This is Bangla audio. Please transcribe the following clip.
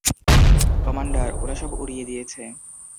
কমান্ডার, ওরা সব উড়িয়ে দিয়েছে।